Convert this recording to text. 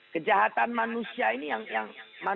kejahatan manusia ini yang